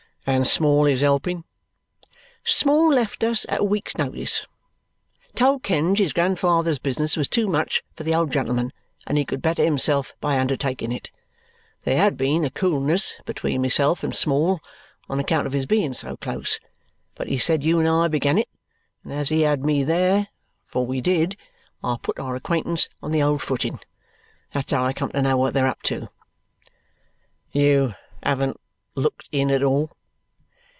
"And Small is helping?" "Small left us at a week's notice. Told Kenge his grandfather's business was too much for the old gentleman and he could better himself by undertaking it. There had been a coolness between myself and Small on account of his being so close. But he said you and I began it, and as he had me there for we did I put our acquaintance on the old footing. That's how I come to know what they're up to." "You haven't looked in at all?"